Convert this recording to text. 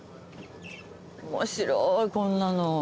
面白いこんなの。